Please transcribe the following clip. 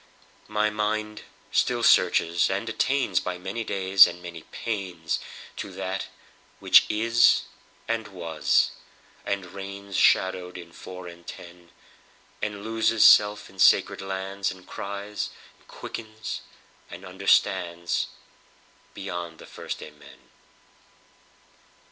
My mind still searches, and attainsBy many days and many painsTo That which Is and Was and reignsShadowed in four and ten; And loses self in sacred lands, And cries and quickens, and understandsBeyond the first Amen.